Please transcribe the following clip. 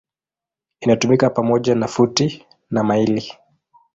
Inatumika pamoja na futi na maili.